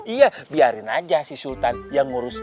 iya biarin aja si sultan yang ngurus